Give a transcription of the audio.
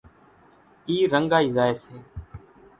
اِي رنڳائي زائي سي۔